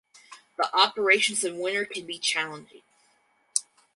The operations in winter can be challenging.